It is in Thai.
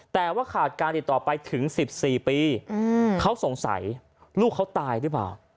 แต่ว่าขาดการติดต่อไปถึง๑๔ปีเขาสงสัยลูกเขาตายหรือเปล่า